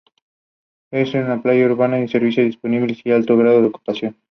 Estudió en los colegios Alameda de Osuna y Colegio del Pilar.